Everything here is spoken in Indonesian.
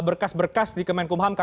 baik baik bang rahmat